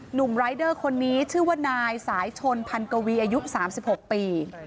หนุ่มรายเดอร์คนนี้ชื่อว่านายสายชนพันกวีอายุ๓๖ปี